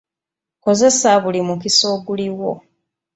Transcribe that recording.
Kozesa buli mukisa oguliwo.